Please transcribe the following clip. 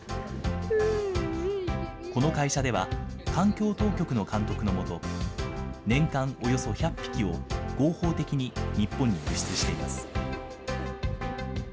この会社では環境当局の監督のもと、年間およそ１００匹を合法的に日本に輸出しています。